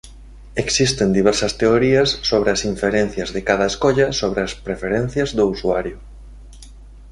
Existen diversas teorías sobre as inferencias de cada escolla sobre as preferencias do usuario.